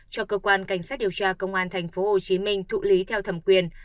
cho cơ quan cảnh sát điều tra công an tp hcm thụ lý theo thẩm quyền